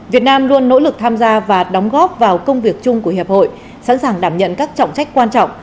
việt nam luôn nỗ lực tham gia và đóng góp vào công việc chung của hiệp hội sẵn sàng đảm nhận các trọng trách quan trọng